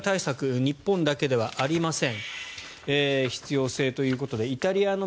日本だけではありません。